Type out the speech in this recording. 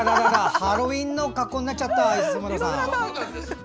ハロウィーンの格好になっちゃった！